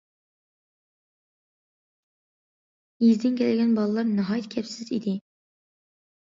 يېزىدىن كەلگەن بالىلار ناھايىتى كەپسىز ئىدى.